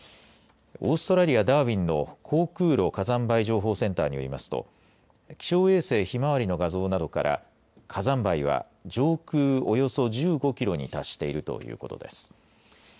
オーストラリア、ダーウィンの航空路火山灰情報センターによりますと気象衛星ひまわりの画像などから上空およそ１５キロに達しているということです。